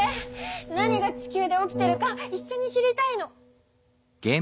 何が地球で起きてるかいっしょに知りたいの。